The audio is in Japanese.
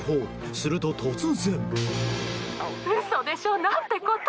すると突然。